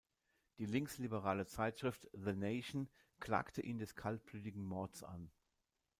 Die linksliberale Zeitschrift "The Nation" klagte ihn des „kaltblütigen Mords“ an.